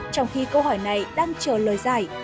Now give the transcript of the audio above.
trong khi câu hỏi này đang chờ lời giải